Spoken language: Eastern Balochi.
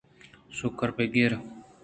شُگر بِہ گِر